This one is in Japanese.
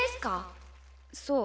そう。